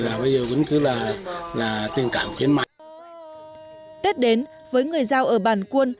là bây giờ vẫn cứ là tình cảm khuyến mái tết đến với người giao ở bàn quân